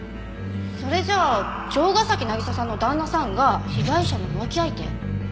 それじゃあ城ヶ崎渚さんの旦那さんが被害者の浮気相手？